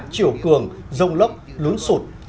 chiều cường rông lốc lún sụt